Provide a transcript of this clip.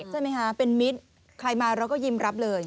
ใช่ไหมคะเป็นมิตรใครมาเราก็ยิ้มรับเลย